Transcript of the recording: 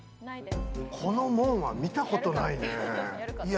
この門は見たことないね。